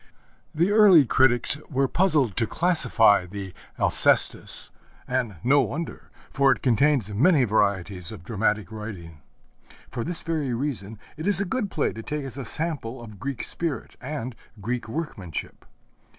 The early critics were puzzled to classify the Alcestis, and no wonder, for it contains many varieties of dramatic writing. For this very reason it is a good play to take as a sample of Greek spirit and Greek workmanship.